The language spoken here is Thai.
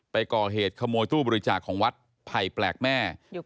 ไปก่อเหตุขโมยตู้บริจาคของวัดไผ่แปลกแม่